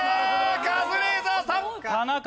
カズレーザーさん！